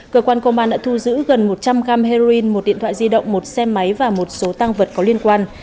cơ quan công an đã thu giữ gần một trăm linh gram heroin một điện thoại di động một xe máy và một số tăng vật có liên quan